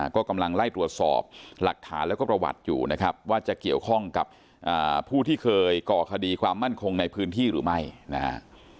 ก็กำลังไล่ตรวจสอบหลักฐานแล้วก็ประวัติอยู่นะครับว่าจะเกี่ยวข้องกับผู้ที่เคยก่อคดีความมั่นคงในพื้นที่หรือไม่นะฮะ